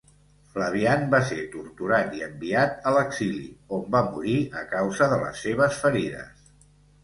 Flavian va ser torturat i enviat a l'exili, on va morir a causa de les seves ferides.